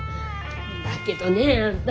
だけどねえあんた